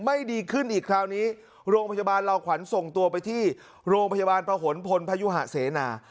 ไม่ดีขึ้นอีกคราวนี้โรงพยาบาลลาวขวัญส่งตัวไปที่โรงพยาบาลประหลพลพยุหะเสนา